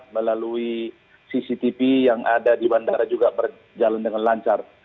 melalui cctv yang ada di bandara juga berjalan dengan lancar